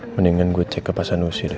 mendingan gue cek ke pasan nusi deh